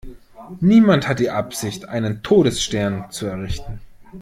Niemand hat die Absicht, einen Todesstern zu errichten!